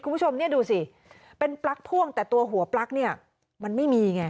คุณผู้ชมเนี่ยดูสิเป็นปลั๊กพ่วงแต่ตัวหัวปลั๊กเนี่ยมันไม่มีไง